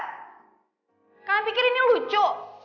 cuma orang yang jiwanya kerdil tega ngebully ya